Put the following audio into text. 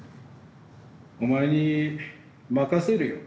お前に任せるよ。